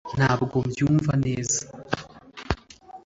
Ntabwo mbyumva neza